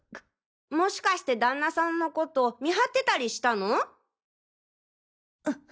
もしかして旦那さんのこと見張ってたりしたの？